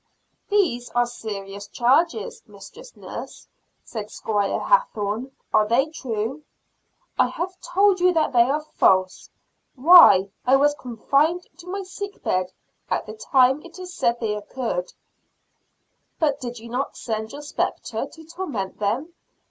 "These are serious charges, Mistress Nurse," said Squire Hathorne, "are they true?" "I have told you that they are false. Why, I was confined to my sick bed at the time it is said they occurred." "But did you not send your spectre to torment them?"